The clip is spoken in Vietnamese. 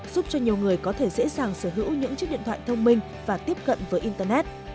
giúp cho nhiều người có thể dễ dàng sở hữu những chiếc điện thoại thông minh và tiếp cận với internet